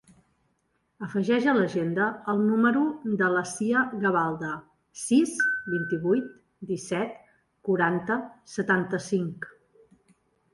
Afegeix a l'agenda el número de la Sia Gavalda: sis, vint-i-vuit, disset, quaranta, setanta-cinc.